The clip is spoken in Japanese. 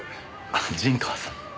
ああ陣川さん。